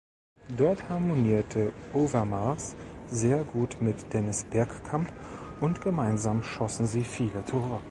Dort harmonierte Overmars sehr gut mit Dennis Bergkamp und gemeinsam schossen sie viele Tore.